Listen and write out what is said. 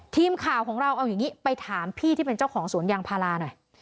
ทีมข่าวของเราเอาอย่างนี้ไปถามพี่ที่เป็นเจ้าของสวนยางพาราหน่อย